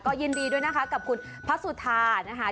ยินดีด้วยนะคะกับคุณพระสุธานะคะ